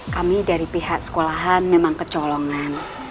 kami dari pihak sekolahan memang kecolongan